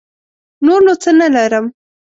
نور نو څه نه لرم.